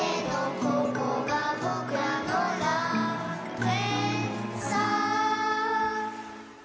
「ここがぼくらの楽園さ」